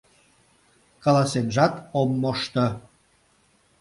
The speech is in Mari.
— Каласенжат ом мошто...